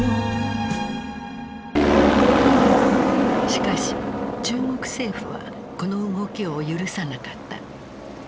しかし中国政府はこの動きを許さなかった。